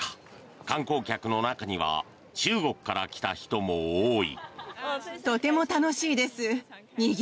観光客の中には中国から来た人も多い。